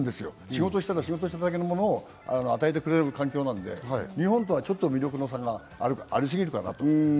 仕事したらしただけのものを与えてくれる環境なので、日本とは魅力の差がありすぎるかなと。